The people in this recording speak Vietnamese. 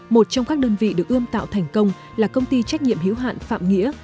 một trong các đơn vị được ươm tạo thành công là công ty trách nhiệm hiếu hạn phạm nghĩa